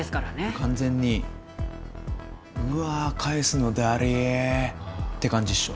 完全に「うわ返すのだりぃ」って感じっしょ。